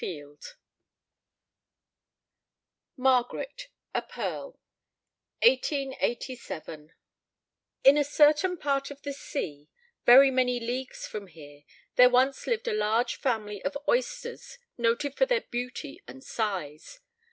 1886 +MARGARET: A PEARL+ MARGARET: A PEARL In a certain part of the sea, very many leagues from here, there once lived a large family of oysters noted for their beauty and size.